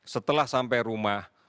setelah sampai rumah